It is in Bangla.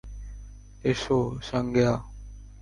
এসো, সাঙ্গেয়া।